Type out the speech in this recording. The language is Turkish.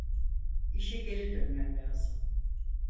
İşe geri dönmem lazım.